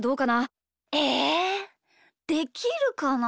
えできるかな。